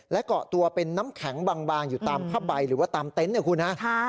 และเกาะตัวเป็นน้ำแข็งบางอยู่ตามผ้าใบหรือว่าตามเต็นต์เนี่ยคุณฮะ